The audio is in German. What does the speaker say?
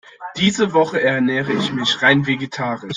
Diese Woche ernähre ich mich rein vegetarisch.